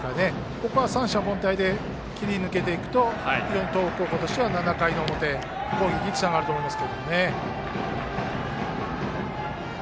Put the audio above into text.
ここは三者凡退で切り抜けると東北高校としては７回の表の攻撃につながると思います。